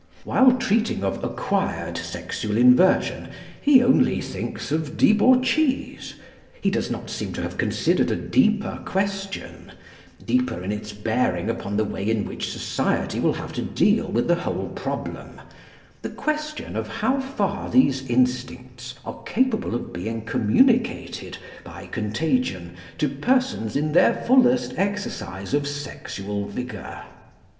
While treating of acquired sexual inversion, he only thinks of debauchees. He does not seem to have considered a deeper question deeper in its bearing upon the way in which society will have to deal with the whole problem the question of how far these instincts are capable of being communicated by contagion to persons in their fullest exercise of sexual vigour.